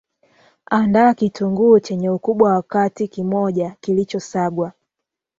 andaa Kitunguu chenye Ukubwa wa kati moja kilichosagwa